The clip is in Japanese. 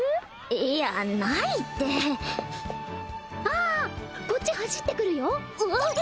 いやないってあっこっち走ってくるよえっ！？